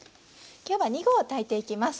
今日は２合炊いていきます。